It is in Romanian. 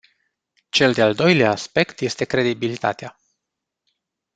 Cel de-al doilea aspect este credibilitatea.